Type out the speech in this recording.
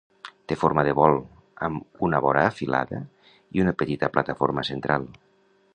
Té forma de bol, amb una vora afilada i una petita plataforma central.